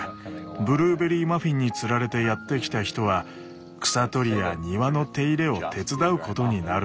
ブルーベリーマフィンにつられてやって来た人は草取りや庭の手入れを手伝うことになるんです。